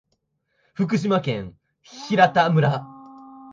福島県平田村